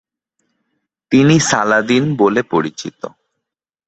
তিনি সালাদিন বলে পরিচিত।